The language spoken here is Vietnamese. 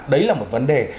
đấy là một vấn đề